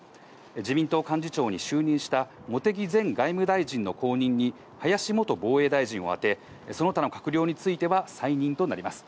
自民党幹事長に就任した茂木前外務大臣の後任に、林元防衛大臣を充て、その他の閣僚については再任となります。